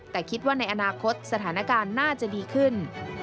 แต่คิดว่าในอนาคตสถานการณ์น่าจะดีขึ้น